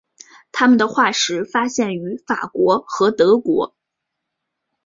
它们的化石发现于法国和德国。